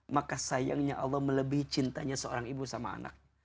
maka sayangnya allah melebihi cintanya seorang ibu sama anaknya